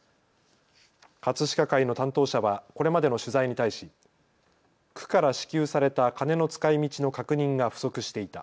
葛飾会の担当者はこれまでの取材に対し区から支給された金の使いみちの確認が不足していた。